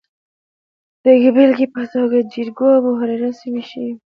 د بېلګې په توګه جریکو او ابوهریره سیمې ښيي